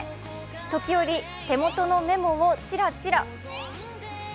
時折、手元のメモをチラチラ。